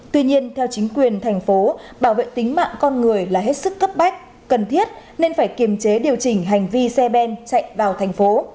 tuy nhiên theo chính quyền thành phố bảo vệ tính mạng con người là hết sức cấp bách cần thiết nên phải kiềm chế điều chỉnh hành vi xe ben chạy vào thành phố